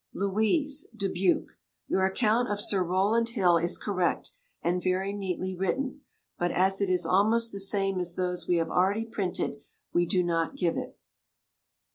"LOUISE," Dubuque. Your account of Sir Rowland Hill is correct, and very neatly written, but as it is almost the same as those we have already printed, we do not give it.